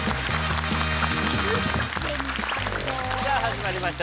さあ始まりました